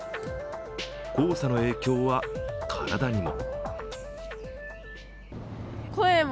黄砂の影響は、体にも。